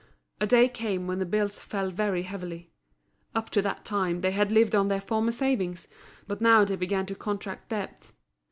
A day came when the bills fell very heavily. Up to that time they had lived on their former savings; but now they began to contract debts.